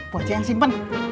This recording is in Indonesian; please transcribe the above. bocek yang simpen